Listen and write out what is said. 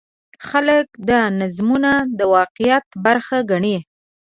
خلک دا نظمونه د واقعیت برخه ګڼي.